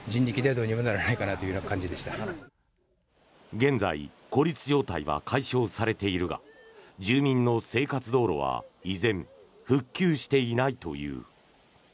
現在、孤立状態は解消されているが住民の生活道路は依然、復旧していないという。